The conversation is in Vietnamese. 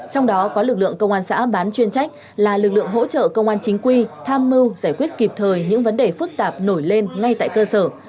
trong đó có lực lượng công an xã bán chuyên trách là lực lượng hỗ trợ công an chính quy tham mưu giải quyết kịp thời những vấn đề phức tạp nổi lên ngay tại cơ sở